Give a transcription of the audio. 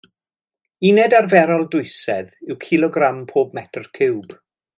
Uned arferol dwysedd yw cilogram pob metr ciwb.